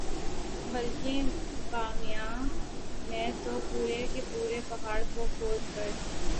بلکہ بامیان میں تو پورے کے پورے پہاڑ کو کھود کر